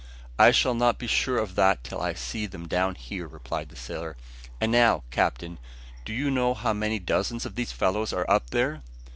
"I shall not be sure of that till I see them down here," replied the sailor "And now, captain, do you know how many dozens of these fellows are up there?"